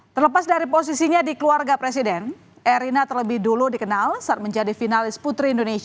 terlepas dari posisinya di keluarga presiden erina terlebih dulu dikenal saat menjadi finalis putri indonesia